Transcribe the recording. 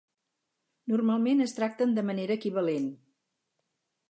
Normalment es tracten de manera equivalent.